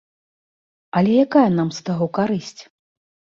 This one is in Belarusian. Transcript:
Але якая нам з таго карысць?